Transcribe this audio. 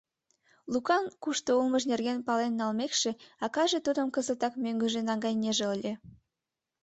Лукан кушто улмыж нерген пален налмекше, акаже тудым кызытак мӧҥгыжӧ наҥгайынеже ыле.